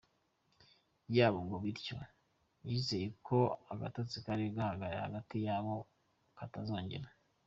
yabo ngo bityo yizera ko agatotsi kari kagaragaye hagati yabo katazongera.